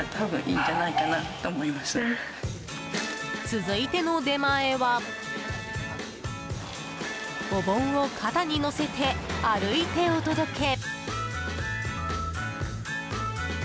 続いての出前はお盆を肩に乗せて、歩いてお届け。